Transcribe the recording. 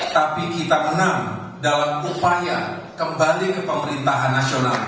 tapi kita menang dalam upaya kembali ke pemerintahan nasional